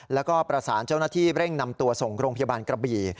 แล้วก็ประสานเจ้าหน้าที่เร่งนำตัวส่งโรงพยาบาลกระบี่